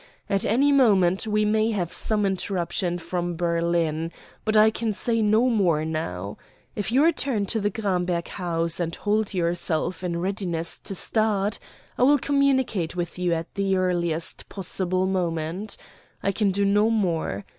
At any moment we may have some interruption from Berlin. But I can say no more now. If you return to the Gramberg house and hold yourself in readiness to start, I will communicate with you at the earliest possible moment. I can do no more.